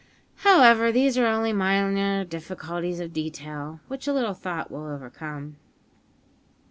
However, these are only minor difficulties of detail, which a little thought will overcome."